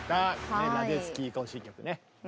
「ラデツキー行進曲」ね。